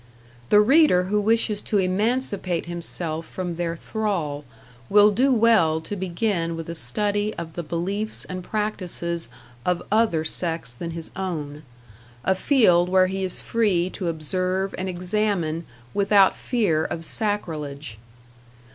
The reader who wishes to emancipate himself from their thrall will do well to begin with a study of the beliefs and practices of other sects than his own a field where he is free to observe and examine without fear of sacrilege.